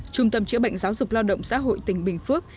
trung tâm chữa bệnh giáo dục lao động xã hội tỉnh bình phước